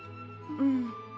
うん。